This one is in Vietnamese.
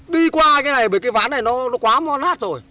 đi qua cái này bởi cái ván này nó quá mục nát rồi